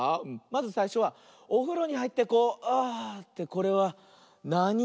まずさいしょはおふろにはいってこうあってこれはなに「い」？